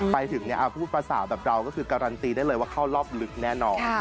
ไปถึงพูดภาษาแบบเราก็คือการันตีได้เลยว่าเข้ารอบลึกแน่นอน